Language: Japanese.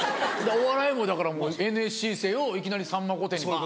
お笑いもだからＮＳＣ生をいきなり『さんま御殿‼』にバン！